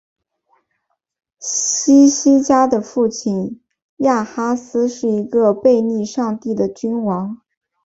希西家的父亲亚哈斯是一个背逆上帝的君王。